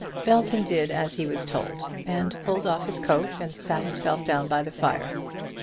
Belton did as he was told; he pulled off his coat and sat himself down by the fire.